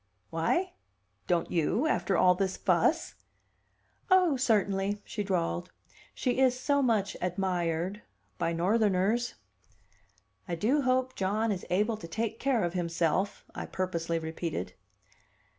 "Why? Don't you? After all this fuss?" "Oh, certainly," she drawled. "She is so much admired by Northerners." "I do hope John is able to take care of himself," I purposely repeated.